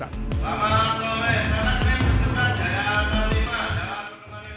datangkan oh saya masam dalam hal ini